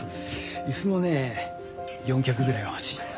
椅子もね４脚ぐらいは欲しい。